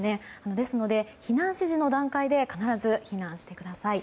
ですので、避難指示の段階で必ず避難してください。